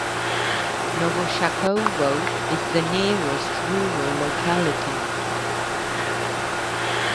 Novoshakovo is the nearest rural locality.